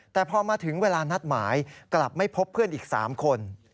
แต่พอมาถึงเวลานัดหมายกลับไม่พบเพื่อนอีก๓คน